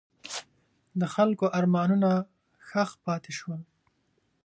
د خلکو ارمانونه ښخ پاتې شول.